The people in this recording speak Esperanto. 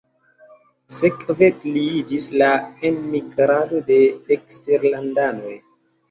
Sekve pliiĝis la enmigrado de eksterlandanoj.